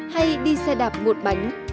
hay đi xe đạp một bánh